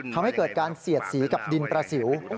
ทำให้เกิดการเสียดสีกับดินประสิว